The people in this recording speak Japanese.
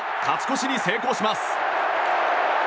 勝ち越しに成功します。